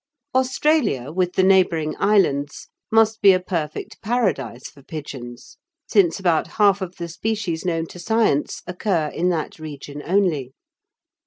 Australia, with the neighbouring islands, must be a perfect paradise for pigeons, since about half of the species known to science occur in that region only.